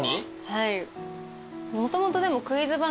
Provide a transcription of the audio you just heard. はい。